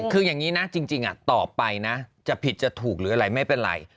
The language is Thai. คืออย่างนี้นะจริงต่อไปนะจะผิดจะถูกหรืออะไรไม่เป็นไร